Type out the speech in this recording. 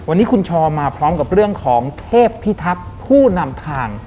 วันนี้คุณชอมาพร้อมกับเรื่องของเทพพิทักษ์ผู้นำทาง